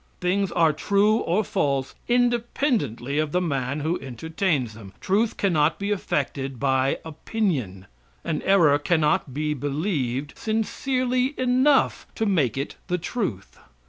Things are true or false independently of the man who entertains them. Truth cannot be affected by opinion; an error cannot be believed sincerely enough to make it the truth.